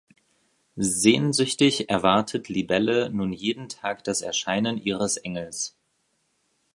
Sehnsüchtig erwartet Libelle nun jeden Tag das Erscheinen ihres Engels.